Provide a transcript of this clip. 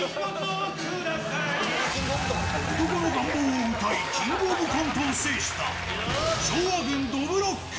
男の願望を歌い、キングオブコントを制した、昭和軍、どぶろっく。